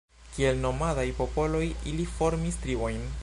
Kiel nomadaj popoloj, ili formis tribojn.